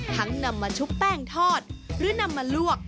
นำมาชุบแป้งทอดหรือนำมาลวก